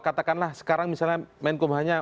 katakanlah sekarang misalnya menkumhanya